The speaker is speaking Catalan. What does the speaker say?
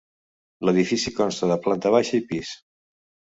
L'edifici consta de planta baixa i pis.